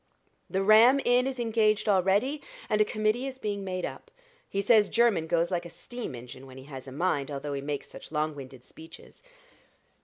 The Ram Inn is engaged already, and a committee is being made up. He says Jermyn goes like a steam engine, when he has a mind, although he makes such long winded speeches."